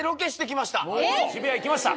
渋谷行きました。